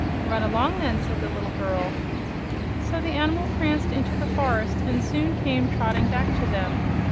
"Run along, then," said the little girl. So the animal pranced into the forest and soon came trotting back to them.